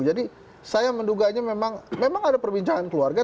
jadi saya menduganya memang ada perbincangan keluarga